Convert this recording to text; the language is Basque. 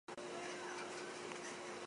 Ez dago formula magikorik.